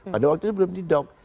pada waktu itu belum didok